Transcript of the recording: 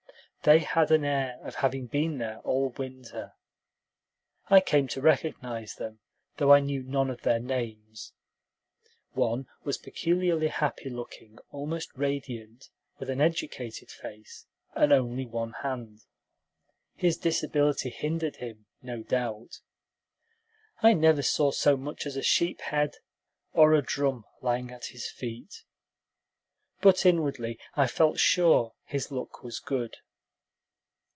They had an air of having been there all winter. I came to recognize them, though I knew none of their names. One was peculiarly happy looking, almost radiant, with an educated face, and only one hand. His disability hindered him, no doubt. I never saw so much as a sheep head or a drum lying at his feet. But inwardly, I felt sure, his luck was good.